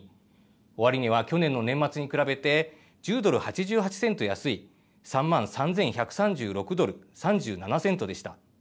終値は去年の年末に比べて１０ドル８８セント安い、３万３１３６ドル３７セントでした。